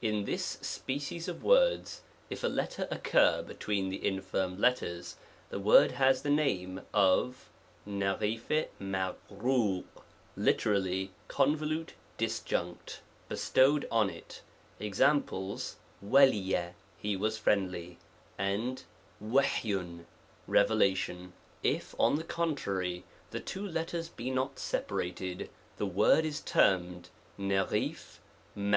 In this species of words, if a letter occur between the infirm letters^ the word has the name of c3" jyu ^AJU lite Tally, convolute disjunct, bestowed on it exam < pies ^J^ ' he was friendly* and ^^^j revela *&?i. If, on the contrary, the two letters be not separated,, the word is termed ^' J7 Lt ^i!